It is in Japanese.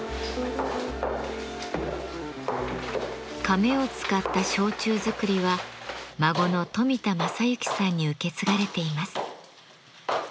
カメを使った焼酎づくりは孫の富田真行さんに受け継がれています。